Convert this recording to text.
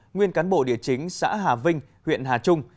nguyên cán bộ địa chính xã hà vinh huyện hà trung